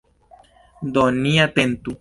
Do ni atentu.